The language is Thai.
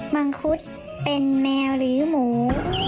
มังคุดเป็นแมวหรือหมู